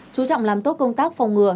chú trọng làm tốt công tác phòng ngừa